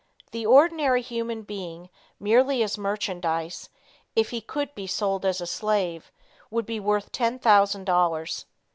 The ordinary human being, merely as merchandise, if he could be sold as a slave, would be worth ten thousand dollars.